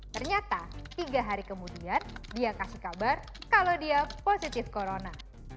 ternyata tiga hari kemudian dia kasih kabar kalau dia positif corona